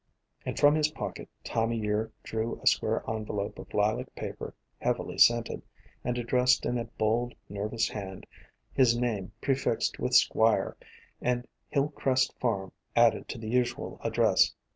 And from his pocket Time o' Year drew a square en velope of lilac paper, heavily scented, and addressed in a bold, nervous hand, his name prefixed with Squire, and "Hill Crest Farm" added to the usual address.